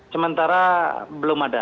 sementara belum ada